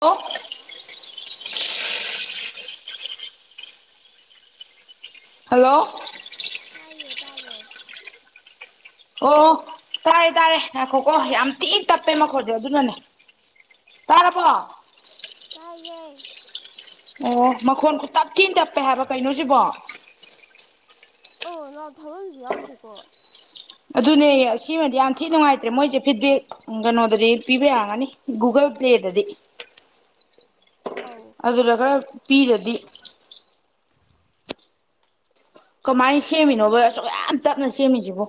hello ꯍꯥꯎ hello ꯇꯥꯏꯌꯦ ꯇꯥꯕ꯭ꯔꯣ ꯑꯣ ꯇꯥꯏꯌꯦ ꯇꯥꯥꯔꯦ ꯉꯥꯛꯈꯣꯀꯣ ꯌꯥꯝ ꯊꯤ ꯇꯞꯄꯦ ꯃꯈꯣꯟꯁꯦ ꯑꯗꯨꯅꯅꯦ ꯇꯥꯔꯕꯣ ꯇꯥꯏꯌꯦ ꯑꯣ ꯃꯈꯣꯟ ꯈꯨꯠꯇꯞ ꯊꯤꯅ ꯇꯞꯄꯦ ꯍꯥꯏꯕ ꯀꯩꯅꯣꯁꯤꯕꯣ ꯑꯣ ꯂꯥ꯭ꯎꯠ ꯊꯥꯕꯝꯁꯨ ꯌꯥꯎꯗꯦꯀꯣ ꯑꯗꯨꯅꯦ ꯁꯤꯃꯗꯤ ꯌꯥꯝ ꯊꯤ ꯅꯨꯡꯉꯥꯏꯇ꯭ꯔꯦ ꯃꯣꯏꯁꯦ ꯐꯤꯠꯕꯦꯛ ꯎꯝ ꯀꯩꯅꯣꯗꯗꯤ ꯄꯤꯕ ꯌꯥꯒꯅꯤ ꯒꯨꯒꯜ ꯄ꯭ꯂꯦꯗꯗꯤ ꯑꯧ ꯑꯗꯨꯗꯒ ꯇꯤꯔꯗꯤ ꯀꯃꯥꯏ ꯁꯦꯝꯃꯤꯅꯣꯕ ꯑꯁꯨꯛ ꯌꯥꯝ ꯇꯞꯅ ꯁꯦꯝꯃꯤꯁꯤꯕꯨ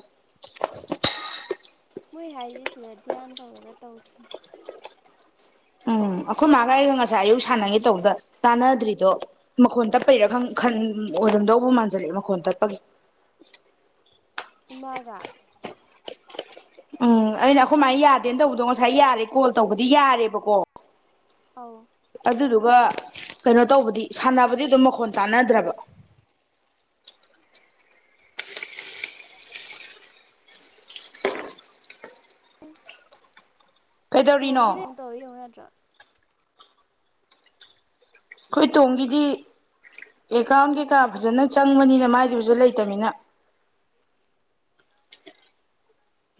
ꯃꯣꯏ ꯍꯥꯏꯔꯤꯁꯤ ꯁꯤꯗ ꯙ꯭ꯌꯥꯟ ꯇꯧꯔꯒ ꯇꯧꯁꯤꯅꯤ ꯎꯝ ꯑꯩꯈꯣꯏ ꯃꯥꯒ ꯑꯩꯒ ꯉꯁꯥꯏ ꯑꯌꯨꯛ ꯁꯥꯟꯅꯒꯦ ꯇꯧꯕꯗ ꯇꯥꯟꯅꯗ꯭ꯔꯤꯗꯣ ꯃꯈꯣꯟ ꯇꯞꯄꯩꯔꯥ ꯈ ꯈꯟ ꯑꯣꯏꯔꯝꯗꯧꯕ ꯃꯥꯟꯖꯜꯂꯛꯑꯦ ꯃꯈꯣꯟ ꯇꯞꯄꯒꯤ ꯏꯃꯥꯒꯥ ꯎꯝ ꯑꯩꯅ ꯑꯩꯈꯣꯏꯃꯥꯏ ꯌꯥꯗꯦꯅ ꯇꯧꯕꯗꯣ ꯉꯁꯥꯏ ꯌꯥꯔꯦ ꯀꯣꯜ ꯇꯧꯕꯗꯤ ꯌꯥꯔꯦꯕꯀꯣ ꯑꯧ ꯑꯗꯨꯗꯨꯒ ꯀꯩꯅꯣ ꯇꯧꯕꯗꯤ ꯁꯥꯟꯅꯕꯗꯤ ꯑꯗꯨꯝ ꯃꯈꯣꯟ ꯇꯥꯟꯅꯗ꯭ꯔꯕ ꯎꯝ ꯎ ꯀꯩꯗꯧꯔꯤꯅꯣ ꯇꯣꯝꯒꯤꯗꯤ ꯐꯣꯟ ꯑꯩꯈꯣꯏ ꯇꯧꯔ ꯌꯦꯡꯉꯨ ꯌꯥꯗ꯭ꯔꯥ ꯑꯩꯈꯣꯏ ꯇꯣꯝꯒꯤꯗꯤ ꯑꯦꯀꯥꯎꯟ ꯀꯩꯀꯥ ꯐꯖꯅ ꯈꯣꯛꯏ ꯆꯪꯕꯅꯤꯅ ꯃꯥꯏꯖꯨ ꯑꯗꯨꯨ ꯂꯩꯇꯝꯅꯤꯅ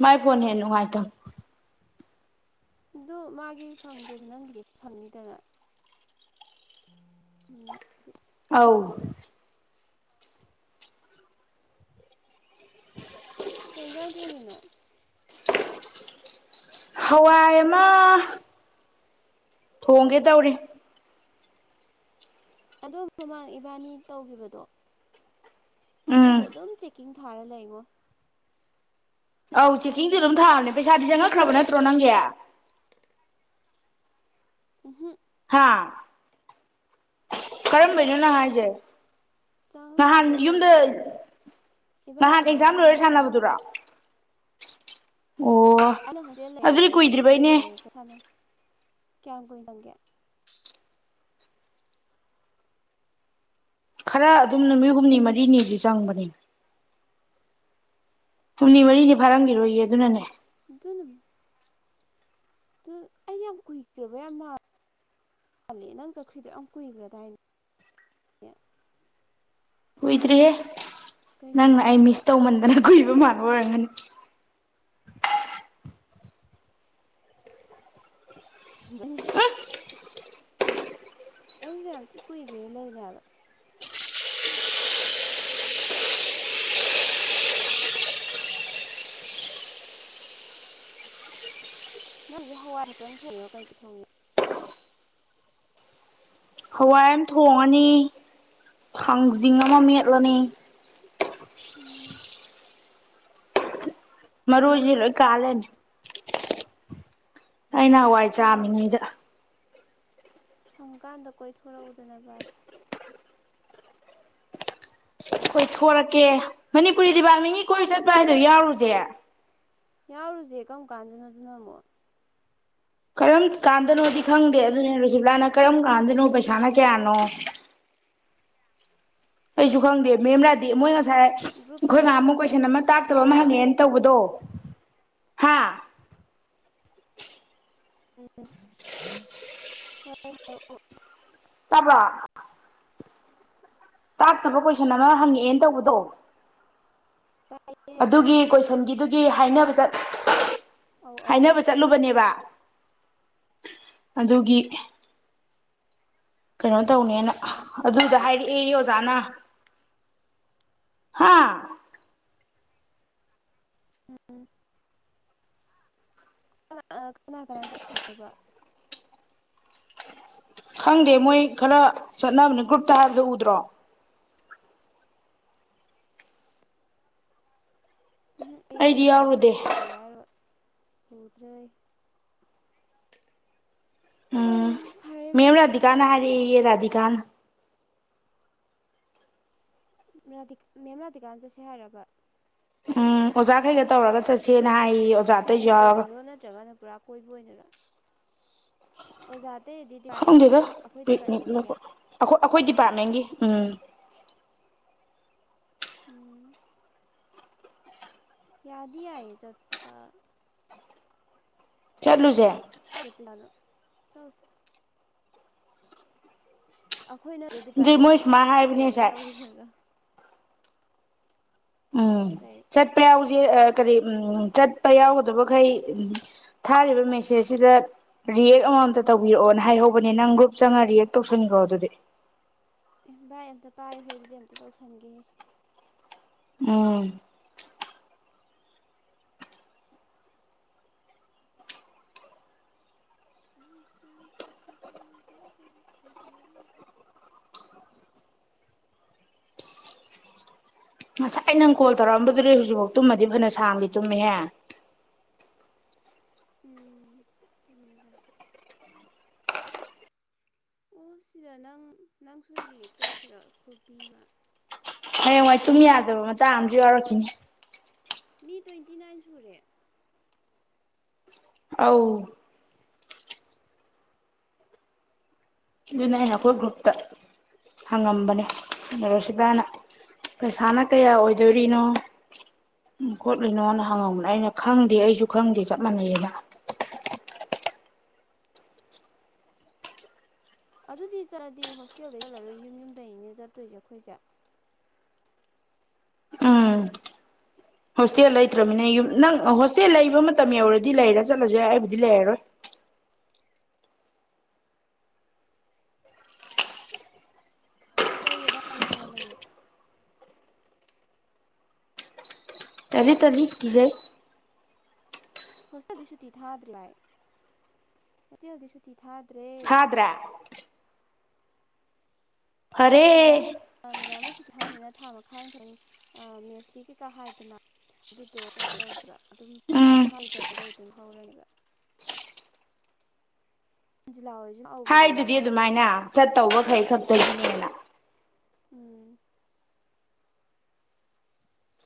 ꯃꯥꯏ ꯐꯣꯟ ꯍꯦꯟꯅ ꯅꯨꯡꯉꯥꯏꯇꯝ ꯑꯗꯨ ꯃꯥꯒꯤ ꯐꯪꯗ꯭ꯔꯁꯨ ꯅꯪꯒꯤꯗꯤ ꯐꯪꯅꯤꯗꯅ ꯆꯨꯝꯃꯦ ꯑꯥꯎ [inaudible] ꯀꯩ ꯍꯦꯟꯖꯥꯡ ꯊꯣꯡꯉꯤꯅꯣ ꯍꯋꯥꯏ ꯑꯃ ꯊꯣꯡꯒꯦ ꯇꯧꯔꯤ ꯑꯗꯨ ꯃꯃꯥꯡ ꯏꯕꯥꯅꯤ ꯇꯧꯒꯤꯕꯗꯣ ꯎꯝ ꯑꯗꯨꯗꯣ ꯑꯗꯨꯝ ꯆꯤꯛ ꯏꯟ ꯊꯥꯔ ꯂꯩꯉꯣ ꯑꯧ ꯆꯦꯛꯀꯤꯡꯗꯤ ꯑꯗꯨꯝ ꯊꯥꯕꯅꯦ ꯄꯩꯁꯥꯗꯤ ꯆꯪꯉꯛꯈ꯭ꯔꯕ ꯅꯠꯇ꯭ꯔꯣ ꯅꯪꯒꯤ ꯎꯝꯍꯨꯝ ꯍꯥ ꯀꯔꯝꯕꯩꯅꯣ ꯅꯪ ꯍꯥꯏꯁꯦ ꯅꯍꯥꯟ ꯆꯪꯉꯛꯇꯤꯌꯦ ꯌꯨꯝꯗ ꯏꯕꯥꯅꯤ ꯅꯍꯥꯟ ꯉꯔꯥꯡ ꯑꯦꯛꯖꯥꯝ ꯂꯣꯏꯔ ꯅꯍꯥꯟ ꯁꯥꯟꯅꯕꯗꯣ ꯁꯥꯟꯅꯕꯗꯨꯔꯣ ꯑꯣ ꯑꯗꯨꯗꯤ ꯀꯨꯏꯗ꯭ꯔꯤꯕꯩꯅꯦ [unintelligible] ꯀꯌꯥꯝ ꯀꯨꯏ ꯇꯧꯒꯦ ꯈꯔ ꯑꯗꯨꯝ ꯅꯨꯃꯤꯠ ꯍꯨꯝꯅꯤ ꯃꯔꯤꯅꯤꯗꯤ ꯆꯪꯕꯅꯦ ꯍꯨꯝꯅꯤ ꯃꯔꯤꯅꯤ ꯐꯥꯔꯝꯈꯤꯔꯣꯏꯌꯦ ꯑꯗꯨꯅꯅꯦ [unintelligible] ꯑꯗꯨ ꯑꯩ ꯌꯥꯝ ꯀꯨꯏꯈ꯭ꯔꯕ ꯌꯥꯝ ꯃꯥꯜꯂꯦ ꯃꯥꯜꯂꯦ ꯅꯪ ꯆꯠꯈ꯭ꯔꯤꯗꯣ ꯌꯥꯝ ꯀꯨꯏꯈ꯭ꯔꯗꯥꯏꯅꯦ ꯅꯦ ꯍꯨꯏꯗ꯭ꯔꯤꯍꯦ ꯀꯩ ꯅꯪꯅ ꯑꯩ ꯅꯨꯃꯤꯠꯇꯗꯨꯕꯣ ꯃꯤꯁ ꯇꯧꯃꯟꯗꯅ ꯀꯨꯏꯕ ꯃꯥꯟꯕ ꯑꯣꯏꯔꯝꯒꯅꯤ [unintelligible] ꯑꯩꯗꯤ ꯌꯥꯝ ꯊꯤ ꯀꯨꯏꯒ꯭ꯔꯦ ꯂꯩꯔꯤꯅꯦꯕ ꯅꯪ ꯍꯧꯖꯤꯛ ꯍꯋꯥꯏ ꯈꯛꯇꯪ ꯊꯣꯡꯉꯤꯔꯣ ꯀꯩꯀꯩ ꯊꯣꯡꯉꯤꯅꯣ ꯍꯋꯥꯏ ꯑꯃ ꯊꯣꯡꯉꯅꯤ ꯊꯥꯡꯖꯤꯡ ꯑꯃ ꯃꯦꯠꯂꯅꯤ ꯃꯥꯔꯣꯏꯖꯤ ꯂꯣꯢ ꯀꯥ ꯂꯩꯔꯝꯃꯦ ꯑꯩꯅ ꯍꯋꯥꯏ ꯁꯪ ꯆꯥꯝꯃꯤꯉꯩꯗ ꯁꯪꯀꯥꯟꯗ ꯀꯣꯏꯊꯣꯔꯛꯎꯗꯅ ꯚꯥꯏ ꯀꯣꯏ ꯊꯣꯔꯛꯀꯦ ꯃꯅꯤꯄꯨꯔꯤ ꯗꯤꯄꯥꯔꯠꯃꯦꯟꯒꯤ ꯀꯣꯏ ꯆꯠꯄ ꯍꯥꯏꯗꯣ ꯌꯥꯎꯔꯨꯖꯦ ꯌꯥꯎꯔꯨꯖꯦ ꯀꯔꯝ ꯀꯥꯟꯗꯅꯣ ꯑꯗꯨꯅ ꯑꯃꯨꯛ ꯀꯔꯝ ꯀꯥꯟꯗꯅꯣꯗꯤ ꯈꯪꯗꯦ ꯑꯗꯨꯅꯦ ꯔꯨꯁꯤꯕꯂꯥꯅ ꯀꯔꯝ ꯀꯥꯟꯗꯅꯣ ꯄꯩꯁꯥꯅ ꯀꯌꯥꯅꯣ ꯑꯩꯁꯨ ꯈꯪꯗꯦ ꯃꯦꯝ ꯔꯥꯗꯦ ꯃꯣꯏ ꯉꯁꯥꯏ ꯉꯁꯥꯏ ꯒ꯭ꯔꯨꯞꯇ ꯑꯩꯈꯣꯏ ꯅꯍꯥꯟꯃꯨꯛ ꯀꯣꯏꯁꯟ ꯑꯃ ꯇꯥꯛꯇꯕ ꯑꯃ ꯍꯥꯏꯅꯩꯔꯣ ꯍꯪꯉꯦꯅ ꯇꯧꯕꯗꯣ ꯍꯥꯥ [inaudible] [unintelligible] ꯇꯕꯔꯣ [inaudible] ꯇꯥꯛꯇꯕ ꯀꯣꯏꯁꯟ ꯑꯃ ꯍꯪꯉꯛꯑꯦꯅ ꯇꯧꯕꯗꯣ ꯇꯥꯏꯌꯦ ꯑꯗꯨꯒꯤ ꯀꯣꯏꯁꯟꯒꯤꯗꯨꯒꯤ ꯍꯥꯏꯅꯕ ꯆꯠ ꯑꯧ ꯑꯧ ꯍꯥꯏꯅꯕ ꯆꯠꯂꯨꯕꯅꯦꯕ ꯑꯗꯨꯒꯤ ꯀꯩꯅꯣ ꯇꯧꯅꯦꯅ ꯑ ꯅꯪ ꯑꯗꯨꯗ ꯌꯥꯕ꯭ꯔꯣ ꯍꯥꯏꯔꯛꯑꯦꯌꯦ ꯑꯣꯖꯥꯅ ꯍꯥꯥ ꯎꯝ ꯎ ꯀꯅꯥ ꯀꯅꯥ ꯀꯅꯥ ꯆꯠꯇꯣꯏꯅꯣꯕ ꯈꯪꯗꯦ ꯃꯣꯏ ꯈꯔ ꯆꯠꯅꯕꯅꯦ ꯒ꯭ꯔꯨꯞꯇ ꯍꯥꯏꯕꯗ ꯎꯗ꯭ꯔꯣ ꯎꯝꯍꯝ ꯑꯩ ꯑꯩꯗꯤ ꯉꯁꯥꯏ ꯌꯥꯎꯔꯨꯗꯦ ꯍꯧꯒꯠꯇ꯭ꯔꯤ ꯍꯥꯏꯔꯣꯏ [unintelligible] ꯑꯌꯦ ꯔꯥꯙꯤꯀꯥꯅ ꯔꯥꯙꯤꯀꯥ ꯃꯦꯝ ꯔꯥꯙꯤꯀꯥꯅ ꯆꯠꯁꯦ ꯍꯥꯏꯔꯕ ꯎꯝ ꯑꯣꯖꯥꯈꯩꯒ ꯇꯧꯔꯒ ꯆꯠꯁꯦꯅ ꯍꯥꯏ ꯄꯤꯛꯅꯤꯛ ꯑꯣꯏꯅꯔꯣ ꯅꯠꯇ꯭ꯔꯒꯅ ꯄꯨꯔꯥ ꯀꯣꯏꯕ ꯑꯣꯏꯅꯔ ꯑꯣꯖ ꯈꯪꯗꯦꯗ ꯄꯤꯛꯅꯤꯛꯅ ꯑꯩꯈꯣꯏ ꯑꯩꯈꯣꯏ ꯗꯤꯄꯥꯔꯠꯃꯦꯟꯒꯤ ꯎꯝ ꯎꯝ ꯌꯥꯗꯤ ꯌꯥꯏ ꯆꯠꯄ ꯆꯠꯂꯨꯁꯦ [unintelligible] ꯑꯩꯈꯣꯏꯅꯠꯇꯔꯣ ꯑꯗꯨꯏ ꯃꯣꯏ ꯗꯤꯄꯥꯔꯠꯃꯦꯟꯒꯤ ꯁꯨꯃꯥꯏꯅ ꯁꯨꯡꯆꯠ ꯍꯥꯏꯕꯅꯦ ꯆꯠꯂꯣꯏꯅ ꯉꯁꯥꯏ ꯇꯧꯒꯤꯕꯗꯣ ꯎꯝ ꯀꯩ ꯆꯠꯄ ꯌꯥꯎ ꯀꯔꯤ ꯆꯠꯄ ꯌꯥꯎꯒꯗꯕꯈꯩ ꯊꯥꯔꯤꯕ ꯃꯦꯁꯦꯖꯁꯤꯗ ꯔꯤꯌꯦꯛ ꯑꯃꯃꯝꯇ ꯇꯧꯕꯤꯔꯛꯑꯣꯅ ꯍꯥꯏꯍꯧꯕꯅꯦ ꯅꯪ ꯒ꯭ꯔꯨꯞ ꯆꯪꯉ ꯔꯤꯌꯦꯛ ꯇꯧꯁꯟꯅꯤꯡꯈꯣ ꯑꯗꯨꯗꯤ ꯑꯦ ꯚꯥꯏ ꯑꯝꯇ ꯄꯥꯏꯌꯣꯍꯦ ꯑꯗꯨꯗꯤ ꯑꯝꯇ ꯇꯧꯁꯟꯒꯦꯍꯦ ꯎꯝ ꯁꯪ ꯁꯪ ꯀ ꯀ ꯗꯅꯌꯥꯕꯥꯕꯔꯤ ꯁꯦ ꯍꯣꯔꯤ ꯉꯁꯥꯏ ꯅꯪ ꯀꯣꯜ ꯇꯧꯔꯛꯑꯝꯕꯗꯨꯗꯤ ꯍꯧꯖꯤꯛꯐꯥꯎ ꯇꯨꯝꯃꯗꯤ ꯐꯅ ꯁꯥꯡꯗꯤ ꯇꯨꯝꯃꯤꯍꯦ [inaudible] ꯑꯣ ꯁꯤꯗ ꯅꯪ ꯅꯪꯁꯨ ꯔꯤꯌꯦꯛ ꯇꯧꯁꯤꯔꯣ ꯈꯨꯕꯤ ꯍꯌꯦꯡꯋꯥꯏ ꯇꯨꯝ ꯌꯥꯗꯕ ꯃꯇꯥꯡ ꯑꯃꯁꯨ ꯌꯥꯎꯔꯛꯈꯤꯅꯤ ꯃꯤ ꯇ꯭ꯋꯦꯟꯇꯤ ꯅꯥꯏꯟ ꯁꯨꯔꯦ ꯑꯧ ꯑꯗꯨꯅ ꯑꯩꯅ ꯑꯩꯈꯣꯏ ꯒ꯭ꯔꯨꯞꯇ ꯍꯪꯉꯝꯕꯅꯦ ꯑꯗꯨ ꯁꯤꯗꯅ ꯄꯩꯁꯥꯅ ꯀꯌꯥ ꯑꯣꯏꯗꯣꯔꯤꯅꯣ ꯈꯣꯠꯂꯤꯅꯣꯅ ꯍꯪꯉꯝꯕꯅꯦ ꯑꯩꯅ ꯈꯪꯗꯦ ꯑꯩꯁꯨ ꯈꯪꯗꯦ ꯆꯞ ꯃꯥꯟꯅꯩꯌꯦꯅ ꯑꯗꯨꯗꯤ ꯆꯠꯂꯗꯤ ꯍꯣꯁꯇꯦꯜꯗ ꯆꯠꯂꯔꯣꯏ ꯌꯨꯝ ꯌꯨꯝꯗꯒꯤꯅꯤꯅꯦ ꯆꯠꯇꯣꯏꯁꯦ ꯑꯩꯈꯣꯏꯁꯦ ꯎꯝ ꯍꯣꯁꯇꯦꯜ ꯂꯩꯇ꯭ꯔꯃꯤꯅ ꯌꯨꯝ ꯅꯪ ꯍꯣꯁꯇꯦꯜ ꯂꯩꯕ ꯃꯇꯝ ꯌꯧꯔꯗꯤ ꯂꯩꯔ ꯆꯠꯂꯁꯨ ꯌꯥꯏ ꯑꯩꯕꯨꯗꯤ ꯂꯩꯔꯔꯣꯏ ꯂꯩꯌꯣ ꯚꯥꯏ ꯅꯣꯡꯃ ꯂꯩꯌꯣ ꯇꯂꯤ ꯇꯜꯂꯤ ꯀꯤꯖꯩ ꯍꯣꯁꯇꯦꯜꯗꯤ ꯁꯨꯇꯤ ꯊꯥꯗ꯭ꯔꯦ ꯍꯥꯏ ꯍꯣꯇꯦꯜꯗꯤ ꯁꯨꯇꯤ ꯊꯥꯗ꯭ꯔꯦ ꯊꯥꯗ꯭ꯔꯦ ꯃꯦꯗꯥꯝ ꯃꯦꯗꯥꯝꯅ ꯁꯨꯨꯇꯤ ꯊꯥꯅꯤꯅ ꯊꯥ ꯃꯈꯥꯏ ꯍꯥꯏꯃ ꯑ ꯃꯦꯁꯤ ꯀꯩꯀꯥ ꯍꯥꯏꯗꯅ ꯑꯗꯨꯗꯣ ꯀꯩꯅꯣ ꯇꯧꯗ꯭ꯔꯦ ꯑꯗꯨꯝ ꯎꯝ [unintelligible] ꯑꯗꯨꯝ ꯍꯧꯔꯔꯤꯕ ꯖꯤꯂꯥꯑꯣ ꯍꯥꯏꯗꯨꯗꯤ ꯑꯗꯨꯃꯥꯏꯅ ꯆꯠꯇꯧꯕꯈꯩ ꯈꯛꯇꯒꯤꯅꯦꯅ ꯎꯝ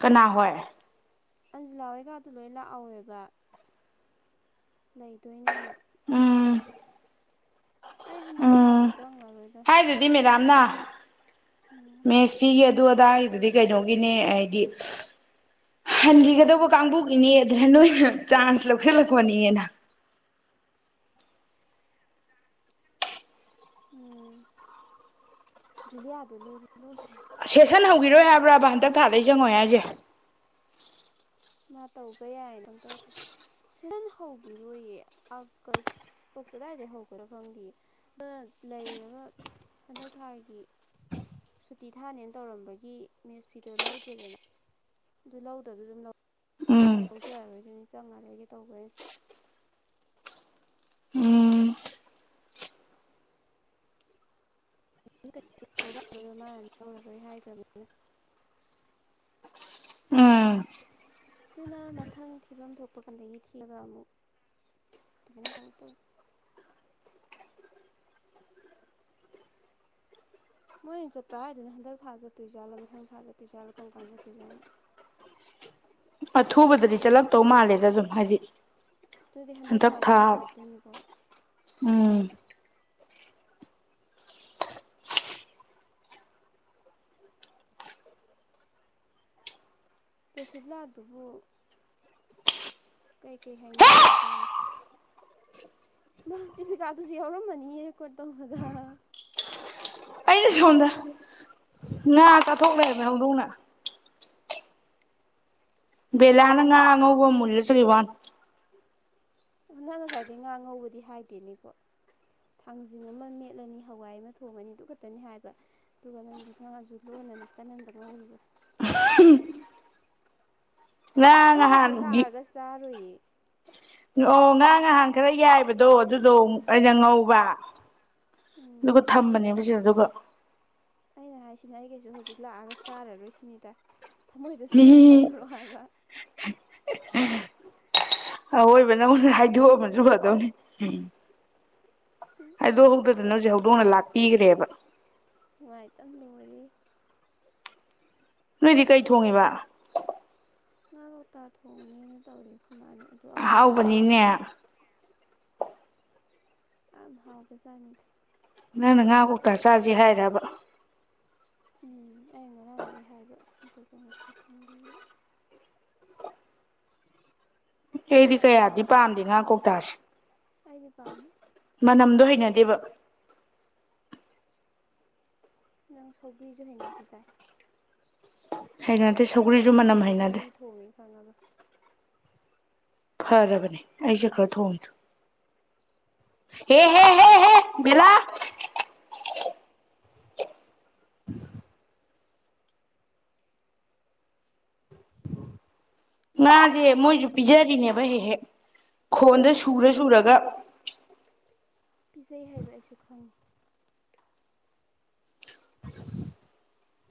ꯀꯅꯥ ꯍꯣꯏ ꯑꯟꯖꯤꯂꯥ ꯍꯣꯏꯒꯗꯨ ꯂꯣꯏ ꯂꯥꯛꯍꯧꯋꯦꯕ ꯂꯩꯗꯣꯏꯅꯦꯅ ꯎꯝ ꯑꯩ ꯍꯟꯗꯛ ꯊꯥꯗꯤ ꯎꯝ ꯆꯪꯉꯔꯣꯏ ꯍꯥꯏꯗꯨꯗꯤ ꯃꯦꯗꯥꯝ ꯅꯥ ꯎꯝ ꯃꯦꯁ ꯐꯤꯒꯤ ꯑꯗꯨ ꯑꯗꯥꯏꯒꯤꯗꯨꯗꯤ ꯀꯩꯅꯣꯒꯤꯅꯦ ꯍꯥꯏꯗꯤ ꯍꯟꯈꯤꯒꯗꯧꯕ ꯀꯥꯡꯕꯨꯒꯤꯅꯦ ꯑꯗꯨꯅ ꯅꯣꯏꯅ ꯆꯥꯟꯁ ꯂꯧꯁꯤꯜꯂꯛꯄꯅꯤꯅ ꯎꯝ ꯖꯨꯂꯤꯌꯥꯗꯣ ꯂꯨꯗꯤ ꯂꯨꯗ꯭ꯔꯦ ꯁꯦꯁꯟ ꯍꯧꯈꯤꯔꯣꯏ ꯍꯥꯏꯕ꯭ꯔꯥꯕ ꯍꯟꯗꯛ ꯊꯥꯗ ꯆꯪꯉꯣꯏ ꯍꯥꯏꯁꯦ ꯃꯥ ꯇꯧꯕ ꯌꯥꯏꯅ ꯄꯪꯇꯧ ꯇꯧ ꯁꯦꯁꯟ ꯍꯧꯈꯤꯔꯣꯏꯌꯦ ꯑꯥꯒꯁ ꯑꯒꯁꯋꯥꯏꯗꯩ ꯍꯧꯈ꯭ꯔꯥ ꯈꯪꯗꯦ ꯑꯗꯨꯅ ꯂꯩꯔꯒ ꯍꯟꯗꯛ ꯊꯥꯒꯤ ꯁꯨꯇꯤ ꯊꯥꯅꯦꯅ ꯇꯧꯔꯝꯕꯒꯤ ꯃꯦꯁ ꯐꯤꯗꯣ ꯂꯧꯗ꯭ꯔꯦꯗꯅ ꯑꯗꯨ ꯂꯧꯗꯧꯗꯣ ꯑꯗꯨꯝ ꯂꯧ ꯎꯝ ꯂꯧꯖꯔꯔꯣꯏꯁꯤꯅꯦ ꯆꯪꯉꯔꯣꯏꯒꯦ ꯇꯧꯕꯅꯦ ꯎꯝ ꯍꯧꯔꯛꯑꯔꯣꯏ [unintelligible] ꯃꯥꯅ ꯂꯧꯔꯔꯣꯏ ꯍꯥꯏꯈ꯭ꯔꯕꯅꯤꯅ ꯎꯝ ꯑꯗꯨꯅ ꯃꯊꯪ ꯊꯤꯐꯝ ꯊꯣꯛꯄ ꯀꯥꯟꯗꯒꯤ ꯊꯤꯑꯒ ꯑꯃꯨꯛ ꯑꯗꯨꯃꯥꯏꯅꯨꯛ ꯇꯧ ꯃꯣꯏꯅ ꯆꯠꯄ ꯍꯥꯏꯗꯨꯅ ꯍꯟꯗꯛ ꯊꯥ ꯆꯠꯇꯣꯏꯖꯥꯠꯂꯣ ꯃꯊꯪ ꯊꯥꯖꯠꯇꯣꯏꯖꯥꯠꯂꯣ ꯀꯔꯝ ꯀꯥꯟ ꯆꯠꯇꯣꯏ ꯖꯥꯠꯅꯣ ꯑꯊꯨꯕꯗꯗꯤ ꯆꯠꯂꯞꯛꯇꯧ ꯃꯥꯜꯂꯦꯗ ꯑꯗꯨꯝ ꯍꯥꯏꯗꯤ ꯑꯗꯨꯗꯤ ꯍꯟꯗꯛ ꯊꯥꯗ ꯂꯣꯏꯁꯤꯜꯂꯛꯇꯣꯏꯅꯤꯀꯣ ꯎꯝ ꯔꯣꯁꯤꯕ꯭ꯂꯥ ꯗꯨꯕꯨ ꯀꯩ ꯀꯩ ꯍꯥꯏꯅꯔꯤꯕꯖꯥꯠꯅꯣ ꯃꯥ ꯗꯦꯕꯤꯀꯥꯗꯨꯁꯨ ꯌꯥꯎꯔꯝꯃꯅꯤꯌꯦ ꯔꯦꯀꯣꯔꯠ ꯇꯧꯕꯗ ꯑꯩꯅ ꯁꯣꯝꯗ ꯉꯥ ꯆꯥꯊꯣꯛ ꯂꯩꯔꯝꯃꯦ ꯍꯧꯗꯣꯡꯅ ꯕꯦꯂꯥꯅ ꯉꯥ ꯑꯉꯧꯕꯃ ꯃꯨꯜꯂ ꯆꯠꯈꯤꯕꯥꯟ ꯅꯪ ꯉꯁꯥꯏꯗꯒꯤ ꯉꯥ ꯉꯧꯕꯗꯤ ꯍꯥꯏꯗꯦꯅꯦꯀꯣ ꯊꯥꯡꯖꯤꯡ ꯑꯃ ꯃꯦꯠꯂꯅꯤ ꯍꯋꯥꯏ ꯑꯃ ꯊꯣꯡꯉꯅꯤ ꯑꯗꯨ ꯈꯛꯇꯅꯤ ꯍꯥꯏꯕ ꯑꯗꯨꯒ ꯅꯪꯗꯤ ꯉꯥꯁꯨ ꯂꯣꯟꯅ ꯅꯥꯀꯟ ꯑꯝꯗ ꯉꯧꯔꯤꯕ ꯉꯥ ꯑꯩ ꯀꯩꯁꯨ ꯅꯍꯥꯟꯒꯤ ꯂꯥꯛꯑꯒ ꯆꯥꯔꯣꯏꯌꯦ ꯑꯣ ꯉꯥ ꯅꯍꯥꯟ ꯈꯔ ꯌꯥꯏꯕꯗꯣ ꯑꯗꯨꯗꯣ ꯑꯩꯅ ꯉꯧꯕ ꯎꯝ ꯑꯗꯨꯒ ꯊꯝꯕꯅꯦꯕ ꯁꯤꯗꯗꯨꯝ [unintelligible] ꯑꯩꯅ ꯍꯥꯏꯁꯤꯅ ꯑꯩ ꯀꯩꯁꯨ ꯍꯧꯖꯤꯛ ꯂꯥꯛꯑꯒ ꯆꯥꯔꯔꯣꯏ ꯁꯤꯅꯤꯗ ꯊꯃꯣꯏꯗꯣ ꯁꯦꯡꯅ ꯍꯥꯏꯗꯣꯔꯛꯑꯣ ꯍꯥꯏꯕ ꯑꯋꯣꯏꯕ ꯅꯪꯉꯣꯟꯗ ꯍꯥꯏꯗꯣꯛꯑꯃꯖꯨ ꯐꯗꯧꯅꯤ ꯍꯥꯏꯗꯣꯛ ꯍꯧꯗꯗꯅ ꯍꯧꯖꯤꯛ ꯍꯧꯗꯣꯡꯅ ꯂꯥꯛꯄꯤꯈꯒ꯭ꯔꯦꯕ ꯅꯨꯡꯉꯥꯏꯇꯝ ꯂꯣꯏꯔꯦꯍꯦ ꯅꯣꯏꯗꯤ ꯀꯩ ꯊꯣꯡꯉꯤꯕ ꯉꯥ ꯀꯧꯇꯥ ꯊꯣꯡꯅꯤꯅ ꯇꯧꯔꯤ ꯑꯩꯈꯣꯏ ꯃꯥꯅ ꯑꯉꯥꯡ ꯂꯧꯕ ꯑꯍꯥꯎꯕꯅꯤꯅꯦ ꯆꯠꯈꯤ ꯌꯥꯝ ꯍꯥꯎꯕꯖꯥꯠꯅꯤꯗ ꯅꯪꯅ ꯉꯥ ꯀꯣꯛꯇ ꯆꯥꯁꯤ ꯍꯥꯏꯔꯕ ꯎꯝ ꯑꯩꯅ ꯉꯔꯥꯡꯗꯩ ꯍꯥꯏꯕ ꯑꯗꯨꯒ ꯉꯁꯤ ꯊꯣꯡꯕꯤꯕ ꯑꯩꯗꯤ ꯉꯔꯥꯡ ꯑꯩ ꯀꯌꯥꯗꯤ ꯍꯜꯂꯛꯄ ꯄꯥꯝꯗꯦ ꯉꯥ ꯊꯦꯡꯉꯦ ꯀꯧꯇꯥꯁꯤ ꯑꯩꯗꯤ ꯄꯥꯝꯃꯦ ꯃꯅꯝꯗꯣ ꯍꯩꯅꯗꯦꯕ ꯅꯪ ꯁꯧꯒ꯭ꯔꯤꯖꯨ ꯍꯩꯅꯗꯦꯗꯥꯏ ꯅꯪ ꯍꯩꯅꯗꯦ ꯆꯠꯈꯤꯕꯒ ꯁꯧꯒ꯭ꯔꯤꯁꯨ ꯏꯕꯦꯝꯃ ꯃꯅꯝ ꯁꯧꯒ꯭ꯔꯤ ꯍꯩꯅꯗꯦ ꯊꯣꯡꯉꯦ ꯈꯪꯉꯕ ꯐꯔꯕꯅꯦ ꯑꯩ ꯆꯠꯈ꯭ꯔ ꯊꯣꯡꯉꯤꯗꯨ ꯍꯦ ꯍꯦ ꯍꯦ ꯍꯦ ꯕꯦꯂꯥ [inaudible] ꯉꯥꯖꯦ ꯃꯣꯏꯖꯨ ꯄꯤꯖꯔꯤꯅꯦꯕ ꯍꯦꯛ ꯍꯦꯛ ꯈꯣꯟꯗ ꯁꯨꯔ ꯈꯪꯉꯦ ꯁꯨꯔꯒ ꯑꯗꯨꯕꯨꯗꯤ ꯄꯤꯖꯩ ꯍꯥꯏꯕ ꯑꯩꯁꯨ ꯈꯪꯉꯤ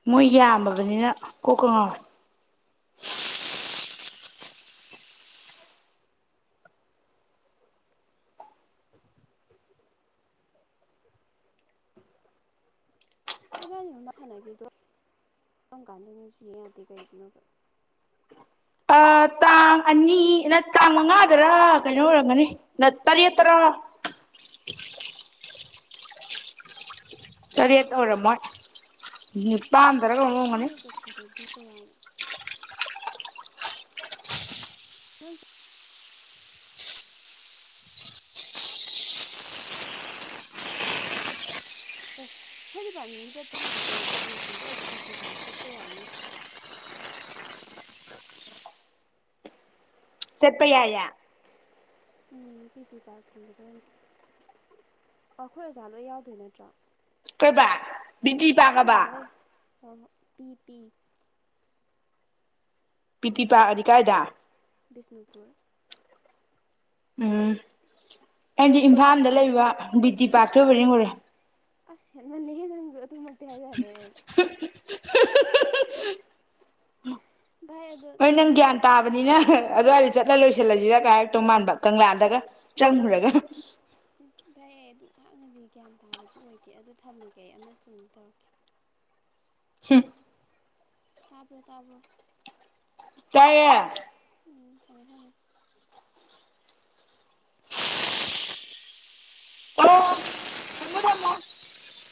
ꯃꯣꯏ ꯌꯥꯝꯃꯕꯅꯤꯅ ꯀꯣꯛꯀ ꯉꯥꯎꯋꯦ ꯅꯣꯢꯕꯥꯟꯅꯤ ꯃ ꯁꯥꯟꯅꯈꯤꯕꯗꯣ ꯀꯔꯝ ꯀꯥꯟꯗꯅꯣꯁꯨ ꯌꯦꯡ ꯌꯥꯗꯦ ꯀꯩꯒꯤꯅꯣꯕ ꯑꯥ ꯇꯥꯡ ꯑꯅꯤ ꯅꯠ ꯇꯥꯡ ꯃꯉꯥꯗꯔ ꯀꯩꯅꯣ ꯑꯣꯏꯔꯝꯒꯅꯤ ꯅꯠ ꯇꯔꯦꯠ ꯇꯔꯥ ꯇꯔꯦꯠ ꯑꯣꯏꯔꯝꯃꯣꯏ ꯅꯤꯄꯥꯜ ꯅꯪꯅ ꯆꯠꯄꯗꯗꯤ ꯀꯌꯥꯅꯣ ꯅꯪ ꯆ ꯑꯦ ꯈꯣꯏ ꯗꯤꯄꯥꯔꯠꯃꯦꯟꯒꯤ ꯆꯠꯄ ꯍꯥꯏꯗꯣ ꯀꯩꯅꯣ ꯄꯤꯛꯅꯤꯛꯀꯨꯝꯕ ꯑꯣꯏꯗꯤ ꯄꯤ ꯄꯤ ꯄꯥꯔꯛ ꯆꯠꯄ ꯌꯥꯏꯉꯣ ꯆꯠꯄꯌꯥꯢꯌꯦ ꯎꯝ ꯄꯤ ꯄꯤ ꯄꯥꯔꯛꯀꯨꯝꯕꯗ ꯑꯣꯏꯅ ꯑꯈꯣꯏ ꯑꯣꯖꯥ ꯂꯣꯏ ꯌꯥꯎꯗꯣꯏ ꯅꯠꯇ꯭ꯔꯣ ꯀꯩꯕ ꯕꯤ ꯇꯤ ꯑꯩꯈꯣꯏ ꯄꯥꯔꯛꯑꯕ ꯑꯣꯖꯥꯈꯩ ꯍꯣꯏ ꯍꯣꯏ ꯄꯤ ꯄꯤ ꯄꯤ ꯄꯤ ꯄꯥꯔꯛꯑꯗꯤ ꯀꯥꯏꯗ ꯕꯤꯁꯅꯨꯄꯨꯔ ꯎꯝ ꯑꯩꯗꯤ ꯑꯗꯣ ꯑꯩꯈꯣꯏ ꯏꯝꯐꯥꯜꯗ ꯂꯩꯕ ꯑꯣꯖꯥꯈꯩ ꯕꯤ ꯇꯤ ꯄꯥꯛꯇ ꯑꯣꯢꯕꯣꯢ ꯅꯤꯡ ꯉꯨꯔꯦ ꯑꯁ ꯍꯦꯟꯃꯜꯂꯦꯍꯦ ꯅꯪꯖꯨ ꯑꯗꯨꯃꯛꯇꯤ ꯍꯥꯏꯔꯔꯣꯏ ꯑꯩ ꯚꯥꯏ ꯑꯗꯣ ꯍꯣꯏ ꯅꯪ ꯊꯝꯃꯒꯦ ꯒ꯭ꯌꯥꯟ ꯑꯩ ꯇꯥꯕꯅꯤꯅ ꯑꯗꯨꯋꯥꯢꯗ ꯆꯠꯂ ꯂꯣꯏꯁꯤꯜꯂꯖꯤꯔ ꯀꯥꯏ ꯍꯥꯏꯔꯛꯇꯧ ꯃꯥꯟꯕ ꯀꯪꯂꯥꯗꯒ ꯆꯪꯉꯨꯔꯒ ꯕꯥꯏ ꯑꯩ ꯑꯗꯨꯛ ꯍꯥꯛꯅꯗꯤ ꯒ꯭ꯌꯥꯟ ꯇꯥꯕꯗꯤ ꯑꯣꯏꯗꯦ ꯑꯗꯨ ꯊꯝꯃꯒꯦ ꯑꯩ ꯑꯃ ꯆꯨꯝꯅ ꯇꯧꯔꯛꯀꯦ ꯍꯝ ꯇꯥꯕ꯭ꯔꯣ ꯇꯥꯕ꯭ꯔꯣ ꯇꯥꯢꯌꯦ ꯎꯝ ꯊꯝꯃꯦ ꯊꯝꯃꯦ ꯑꯣ ꯊꯝꯃꯣ ꯊꯝꯃꯣ